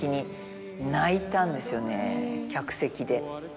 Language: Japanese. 客席で。